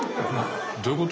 どういうこと？